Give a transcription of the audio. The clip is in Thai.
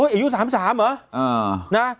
เอียว๓๓หรอ